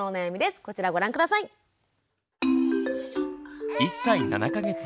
こちらをご覧下さい。